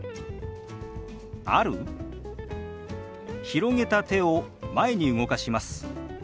広げた手を前に動かします。